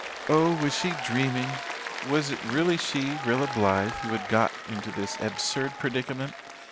Oh, was she dreaming? Was it really she, Rilla Blythe, who had got into this absurd predicament?